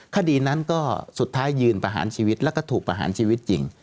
คดีนั้นก็สุดท้ายยืนประหารชีวิตแล้วก็ถูกประหารชีวิตจริง